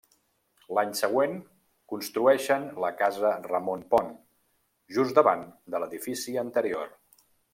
L'any següent construeixen la casa Ramon Pont, just davant de l'edifici anterior.